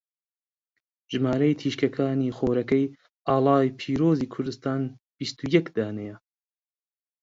ژمارەی تیشکەکانی خۆرەکەی ئاڵای پیرۆزی کوردستان بیستو یەک دانەیە.